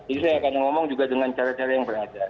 itu saya akan ngomong juga dengan cara cara yang berada